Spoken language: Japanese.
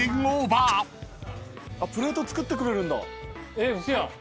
えっ嘘やん。